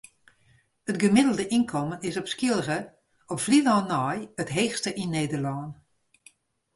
It gemiddelde ynkommen is op Skylge op Flylân nei it heechste yn Nederlân.